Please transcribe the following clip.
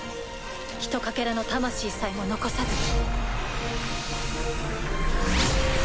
ひとかけらの魂さえも残さずに。